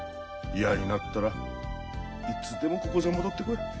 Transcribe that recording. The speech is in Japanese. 嫌になったらいつでもここさ戻ってこい。